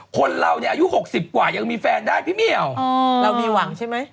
คนเราเนี่ยอายุ๖๐กว่ายังมีแฟนได้พี่เหี่ยวเรามีหวังใช่ไหม